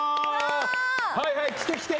はいはい来て来て。